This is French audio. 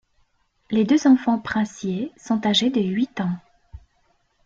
Les deux enfants princiers sont âgés de huit ans.